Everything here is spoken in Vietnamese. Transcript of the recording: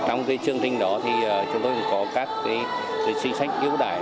trong cái chương trình đó thì chúng tôi cũng có các cái xin sách ưu đại